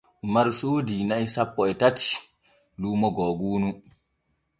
Umaru soodi na'i sanpo e tati luumo googuunu.